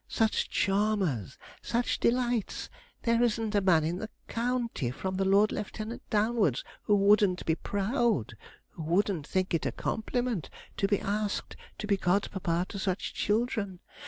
such charmers! such delights! there isn't a man in the county, from the Lord Lieutenant downwards, who wouldn't be proud who wouldn't think it a compliment to be asked to be god papa to such children.